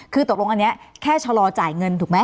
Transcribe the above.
คือตกลงอันนี้แค่ชะลอจ่ายเงินถูกไหม